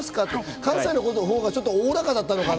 関西のほうがおおらかだったのかな？